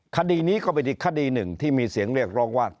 คดีนี้ก็เป็นอีกคดีหนึ่งที่มีเสียงเรียกร้องว่า